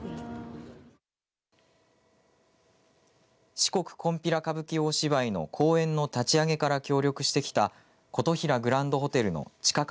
四国こんぴら歌舞伎大芝居の公演の立ち上げから協力してきた琴平グランドホテルの近兼